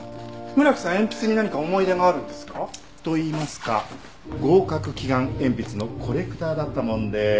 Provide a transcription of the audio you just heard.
村木さん鉛筆に何か思い入れがあるんですか？といいますか合格祈願鉛筆のコレクターだったもので。